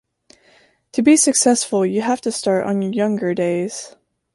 To be successful you have to start on your younger days.